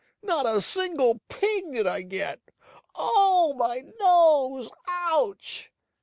Not a single pig did I get! Oh, my nose! Ouch!"